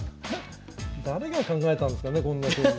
誰が考えたんすかねこんな将棋。